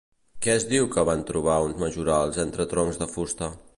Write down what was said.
Què es diu que van trobar uns majorals entre troncs de fusta?